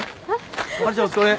華ちゃんお疲れ。